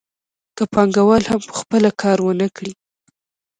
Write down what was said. که پانګوال هم په خپله کار ونه کړي